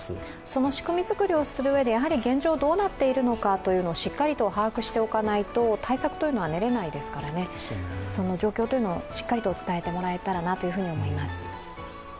その仕組み作りをするうえで現状どうなっているかをしっかりと把握しておかないと対策というのは練れないですからその状況をしっかりと伝えてもらえたらなと思います。